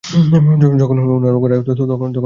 যখন উনার রাগ কমে যাবে, তখন তোর শাস্তি কমিয়ে দিতে পারে।